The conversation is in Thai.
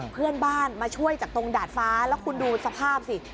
เพื่อนบ้านมาช่วยจากตรงดาดฟ้าแล้วคุณดูสภาพสิ